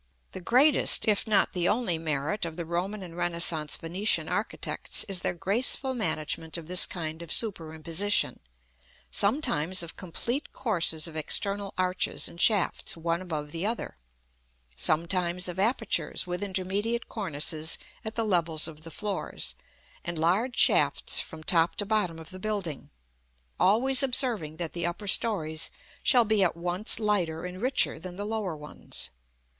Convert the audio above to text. The greatest, if not the only, merit of the Roman and Renaissance Venetian architects is their graceful management of this kind of superimposition; sometimes of complete courses of external arches and shafts one above the other; sometimes of apertures with intermediate cornices at the levels of the floors, and large shafts from top to bottom of the building; always observing that the upper stories shall be at once lighter and richer than the lower ones.